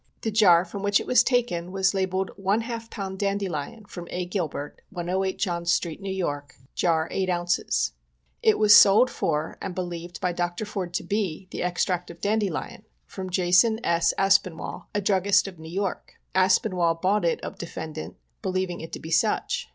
' The jar from which it was taken was labelled " I lb. dandelion from A. Gilbert, 108 John street, N. Y.,. Jar, 8 oz." It was sold for, and believed by Dr. Foord to be, the ex tract of dandelion, from Jas. S. Aspinwall, a druggist of New York. Aspinwall bought it of defendant believing it to be such.